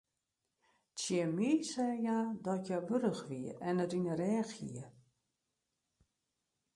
Tsjin my sei hja dat hja wurch wie en it yn de rêch hie.